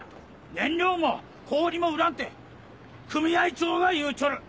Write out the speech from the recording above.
燃料も氷も売らんて組合長が言うちょる！